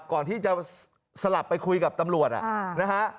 ก่อนที่จะสลับไปคุยกับตำรวจนะฮะ